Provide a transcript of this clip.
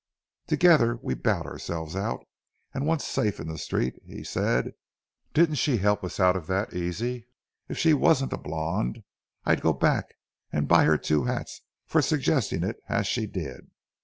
"Together we bowed ourselves out, and once safe in the street he said: 'Didn't she help us out of that easy? If she wasn't a blonde, I'd go back and buy her two hats for suggesting it as she did.'